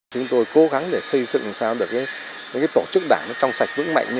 chúng tôi cố gắng để xây dựng sao được những tổ chức đảng trong sạch vững mạnh